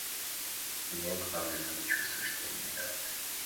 Мне, главное, надо чувствовать, что я не виноват.